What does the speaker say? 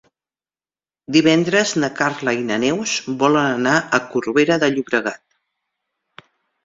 Divendres na Carla i na Neus volen anar a Corbera de Llobregat.